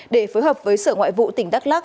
để phối hợp với sở ngoại vụ tỉnh đắk lắc